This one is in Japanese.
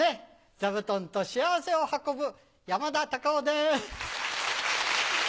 座布団と幸せを運ぶ山田隆夫です。